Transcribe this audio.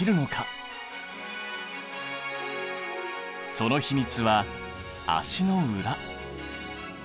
その秘密は足の裏。